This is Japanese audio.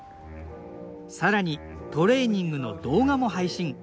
更にトレーニングの動画も配信。